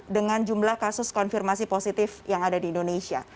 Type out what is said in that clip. dengan jumlah kasus konfirmasi positif yang ada di indonesia